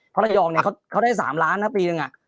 เพราะระยองเนี่ยเขาได้๓ล้านครับปีหนึ่งอะ